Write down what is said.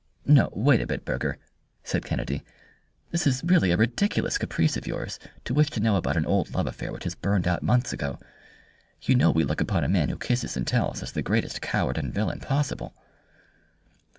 "No, wait a bit, Burger," said Kennedy; "this is really a ridiculous caprice of yours to wish to know about an old love affair which has burned out months ago. You know we look upon a man who kisses and tells as the greatest coward and villain possible."